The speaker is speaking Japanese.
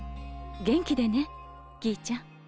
元気でねきーちゃん。